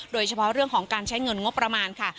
โดยเฉพาะเรื่องของการใช้เงินงบประมาณค่ะ